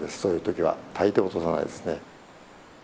大抵落とさないですね。